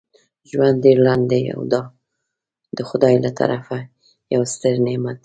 ژوند ډیر لنډ دی او دا دخدای له طرفه یو ستر نعمت دی.